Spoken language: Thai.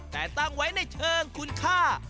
แต่ตั้งไว้ในเชิงคุณค่า